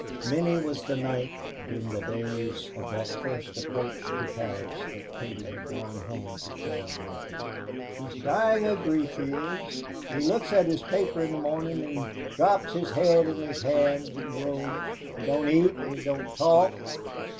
Many was the night during the days of that first approach to Paris that Katie had gone home to tell Mikey, "He's dyin' of grief, he is. He looks at his paper in the morning and drops his head in his hands and groans. He don't eat and he don't talk.